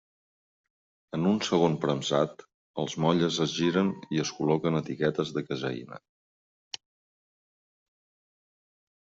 En un segon premsat, els motlles es giren i es col·loquen etiquetes de caseïna.